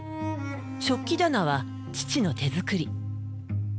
食器棚は父の手作り。